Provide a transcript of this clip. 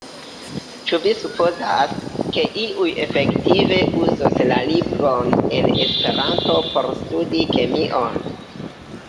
Ĉu vi supozas, ke iuj efektive uzos la libron en Esperanto por studi kemion?